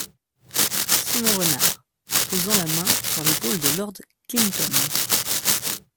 Simon Renard , posant la main sur l’épaule de Lord Clinton.